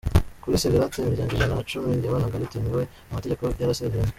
Kuri SeVarate imiryango ijana na cumi yabanaga bitemewe mu mategeko yarasezeranye